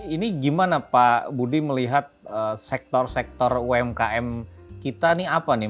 ini gimana pak budi melihat sektor sektor umkm kita ini apa nih